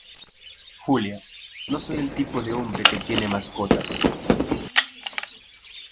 Julia, no soy el tipo de hombre que tiene mascotas.